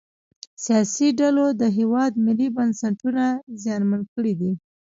سیاسي ډلو د هیواد ملي بنسټونه زیانمن کړي دي